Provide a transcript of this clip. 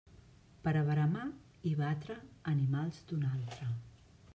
Per a veremar i batre, animals d'un altre.